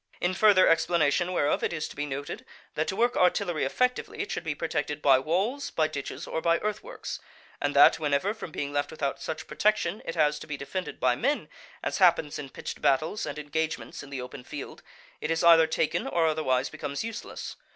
In further explanation whereof it is to be noted, that to work artillery effectively it should be protected by walls, by ditches, or by earth works; and that whenever, from being left without such protection it has to be defended by men, as happens in pitched battles and engagements in the open field, it is either taken or otherwise becomes useless.